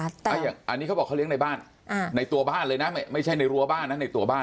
อันนี้เขาบอกเขาเลี้ยงในบ้านในตัวบ้านเลยนะไม่ใช่ในรั้วบ้านนะในตัวบ้าน